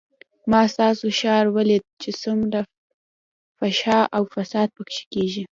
ما ستاسو ښار وليد چې څومره فحشا او فساد پکښې کېږي.